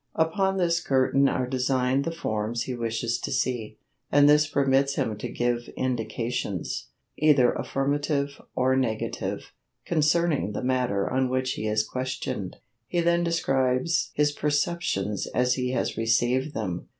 Upon this curtain are designed the forms he wishes to see, and this permits him to give indications, either affirmative or negative, concerning the matter on which he is questioned. He then describes his perceptions as he has received them.